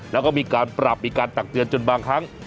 แล้วก็มีการปรับมีการตักเตือนจนบางครั้ง